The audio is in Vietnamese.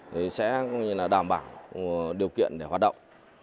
thì sẽ đảm bảo điều kiện để hoạt động